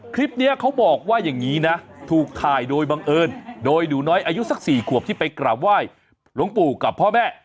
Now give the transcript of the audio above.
คลิปนี้เขาบอกว่าอย่างนี้นะถูกถ่ายโดยบังเอิญโดยหนูน้อยอายุสัก๔ขวบที่ไปกราบไหว้หลวงปู่กับพ่อแม่